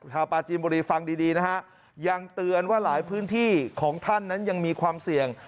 ชาวปาจีนบุรีฟังดีดีนะฮะยังเตือนว่าหลายพื้นที่ของท่านนั้นยังมีความเสี่ยง